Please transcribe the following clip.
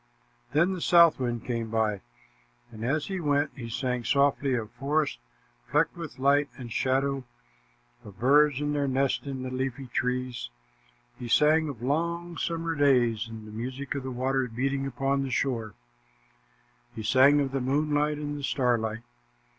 Then the southwind came by, and as he went, he sang softly of forests flecked with light and shadow, of birds and their nests in the leafy trees. He sang of long summer days and the music of waters beating upon the shore. He sang of the moonlight and the starlight.